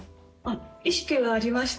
意識はありました。